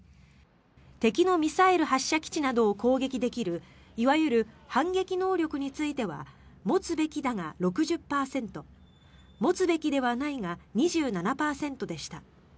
敵のミサイル発射基地などを攻撃できるいわゆる反撃能力については持つべきだが６０％持つべきではないが２７％でした。